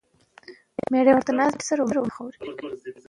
فتح خان د خپلو ځواکونو د ملاتړ لپاره پلان ترتیب کړ.